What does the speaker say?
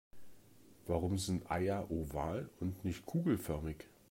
Warum sind Eier oval und nicht kugelförmig?